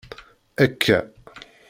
Akka!